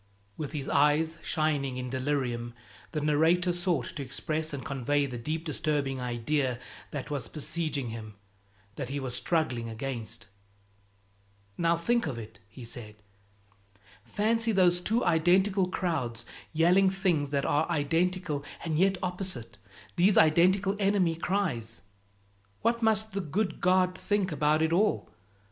With his eyes shining in delirium, the narrator sought to express and convey the deep disturbing idea that was besieging him, that he was struggling against. "Now think of it!" he said. "Fancy those two identical crowds yelling things that are identical and yet opposite, these identical enemy cries! What must the good God think about it all?